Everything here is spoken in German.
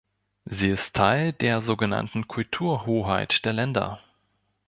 Sie ist Teil der so genannten „Kulturhoheit“ der Länder.